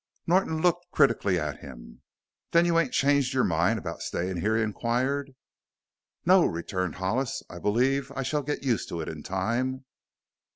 Norton looked critically at him. "Then you ain't changed your mind about stayin' here?" he inquired. "No," returned Hollis; "I believe I shall get used to it in time."